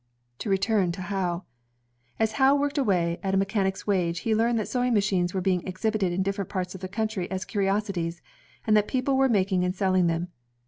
To return to Howe. As Howe worked away at a mechanic's wage, he learned that sewing machines were being exhibited in different parts of the country as curi osities, and that persons were making and selling them.